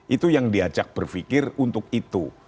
itu yang diajak berpikir untuk itu